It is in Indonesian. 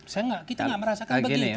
saya gak kita gak merasakan begitu